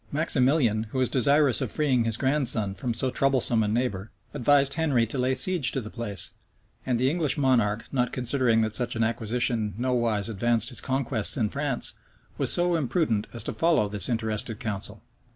Maximilian, who was desirous of freeing his grandson from so troublesome a neighbor, advised Henry to lay siege to the place; and the English monarch, not considering that such an acquisition nowise advanced his conquests in France, was so imprudent as to follow this interested counsel.